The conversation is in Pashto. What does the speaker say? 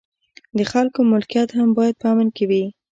د خلکو ملکیت هم باید په امن کې وي.